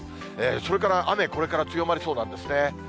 それから雨、これから強まりそうなんですね。